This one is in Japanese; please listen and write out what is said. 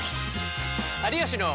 「有吉の」。